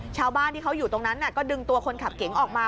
ชาวบ้านที่เขาอยู่ตรงนั้นก็ดึงตัวคนขับเก๋งออกมา